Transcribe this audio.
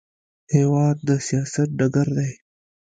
هېواد د سیاست ډګر دی.